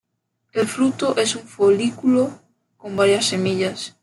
El fruto es un folículo con varias semillas.